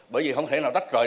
bởi vì không hề có kết luận